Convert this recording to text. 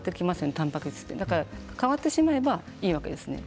たんぱく質が変わってしまえばいいわけです。